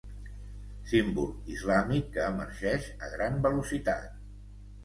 Símbol islàmic que emergeix a gran velocitat.